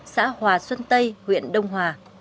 xã hòa xuân tây huyện đông hòa